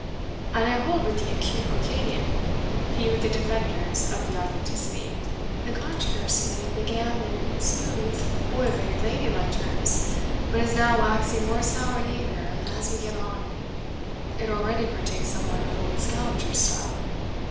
I hold with the acute Orcadian he with the defenders of the authenticity; the controversy began in smooth, oily, lady like terms, but is now waxing more sour and eager as we get on it already partakes somewhat of old Scaliger's style.